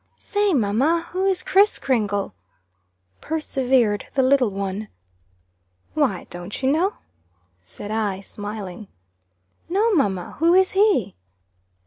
"Say, mamma? Who is Kriss Kringle?" persevered the little one. "Why, don't you know?" said I, smiling. "No, mamma. Who is he?"